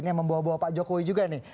yang membawa bawa pak jokowi juga nih